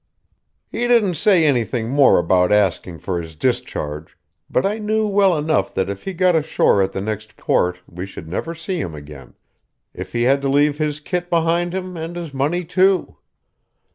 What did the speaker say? He didn't say anything more about asking for his discharge, but I knew well enough that if he got ashore at the next port we should never see him again, if he had to leave his kit behind him, and his money, too.